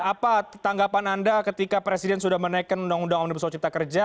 apa tanggapan anda ketika presiden sudah menaikkan undang undang omnibus law cipta kerja